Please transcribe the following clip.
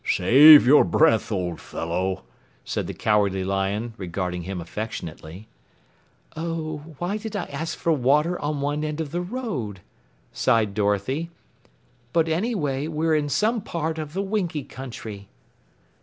"Save your breath, old fellow," said the Cowardly Lion, regarding him affectionately. "Oh, why did I ask for water on the end of the road?" sighed Dorothy. "But, anyway, we're in some part of the Winkie Country."